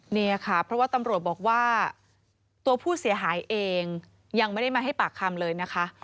เนี่ยค่ะเพราะว่าตำรวจบอกว่าตัวผู้เสียหายเองยังไม่ได้มาให้ปากคำเลยนะคะ